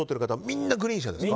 みんなグリーン車。